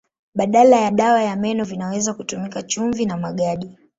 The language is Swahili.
Badala ya dawa ya meno vinaweza kutumika chumvi na magadi.